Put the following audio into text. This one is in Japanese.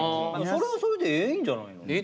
それはそれでええんじゃないの？